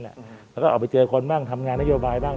แล้วก็ออกไปเจอคนบ้างทำงานนโยบายบ้าง